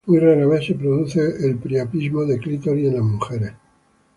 Muy rara vez, se produce el priapismo de clítoris en las mujeres.